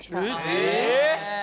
え！